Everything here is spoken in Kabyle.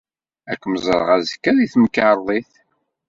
Ad kem-ẓreɣ azekka, deg temkarḍit!